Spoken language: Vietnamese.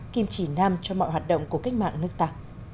kim chỉ nam cho mọi hoạt động của cách mạng nước ta